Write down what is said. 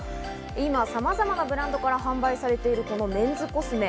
今、さまざまなブランドから販売されているこのメンズコスメ。